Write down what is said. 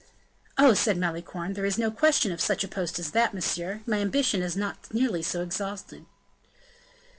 "Oh," said Malicorne, "there is no question of such a post as that, monsieur; my ambition is not nearly so exalted."